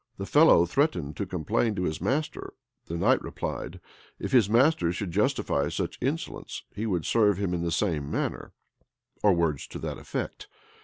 The fellow threatened to complain to his master: the knight replied, "If his master should justify such insolence, he would serve him in the same manner;" or words to that effect.